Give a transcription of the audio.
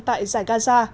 tại giải gaza